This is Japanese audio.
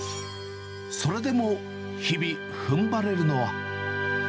それでも日々、ふんばれるのは。